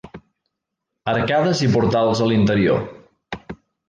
Arcades i portals a l'interior.